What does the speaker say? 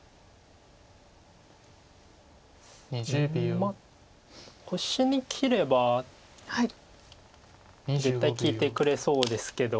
うんまあ星に切れば絶対利いてくれそうですけど。